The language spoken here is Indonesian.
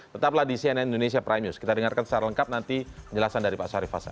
tetaplah di cnn indonesia prime news kita dengarkan secara lengkap nanti penjelasan dari pak syarif hasan